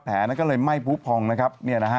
นั้นก็เลยไหม้ผู้พองนะครับ